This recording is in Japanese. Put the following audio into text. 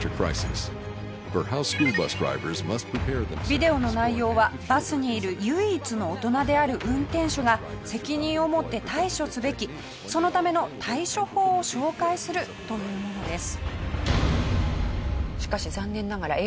ビデオの内容はバスにいる唯一の大人である運転手が責任を持って対処すべきそのための対処法を紹介するというものです。